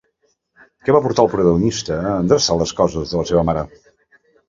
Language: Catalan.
Què va portar al protagonista a endreçar les coses de la seva mare?